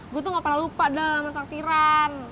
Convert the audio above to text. gue tuh gak pernah lupa dah menaktiran